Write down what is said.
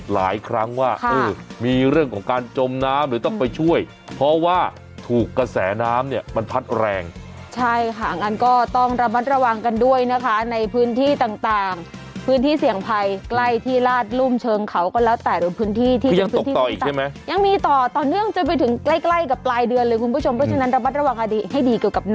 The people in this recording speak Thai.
หลายครั้งว่าค่ะมีเรื่องของการจมน้ำหรือต้องไปช่วยเพราะว่าถูกกระแสน้ำเนี่ยมันพัดแรงใช่ค่ะงั้นก็ต้องระมัดระวังกันด้วยนะคะในพื้นที่ต่างต่างพื้นที่เสี่ยงภัยใกล้ที่ลาดรุ่มเชิงเขาก็แล้วแต่หรือพื้นที่คือยังตกต่ออีกใช่ไหมยังมีต่อต่อเนื่องจะไปถึงใกล้ใกล้กั